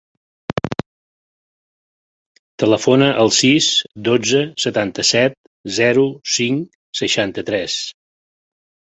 Telefona al sis, dotze, setanta-set, zero, cinc, seixanta-tres.